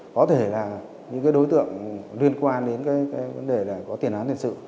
có thể là những cái đối tượng liên quan đến cái vấn đề là có tiền hán tiền sự